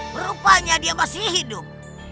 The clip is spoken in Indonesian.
berupanya dia masih hidup